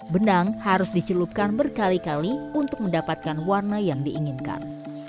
benang harus dicelupkan berkali kali untuk mendapatkan warna yang diinginkan